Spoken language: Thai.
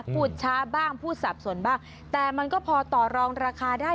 พูดช้าบ้างพูดสับสนบ้างแต่มันก็พอต่อรองราคาได้